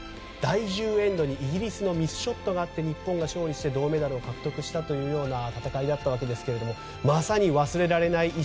第１０エンドにイギリスのミスショットがあって日本が勝利して銅メダルを獲得した戦いだったわけですがまさに忘れられない